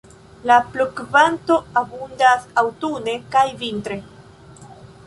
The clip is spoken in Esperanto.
La pluvokvanto abundas aŭtune kaj vintre.